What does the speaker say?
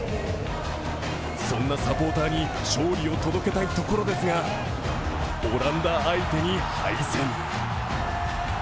そんなサポーターに勝利を届けたいところですがオランダ相手に敗戦。